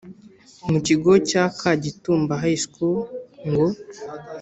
mu Kigo cya Kagitumba High School ngo